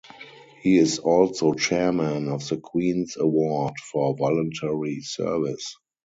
He is also chairman of the Queen's Award for Voluntary Service.